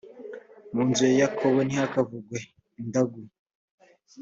mu nzu ya yakobo ntihakavugwe indagu.